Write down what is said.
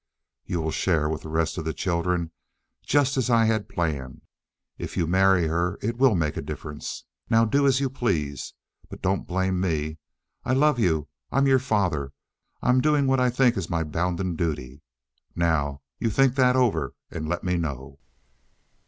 You will share with the rest of the children, just as I had planned. If you marry her it will make a difference. Now do as you please. But don't blame me. I love you. I'm your father. I'm doing what I think is my bounden duty. Now you think that over and let me know."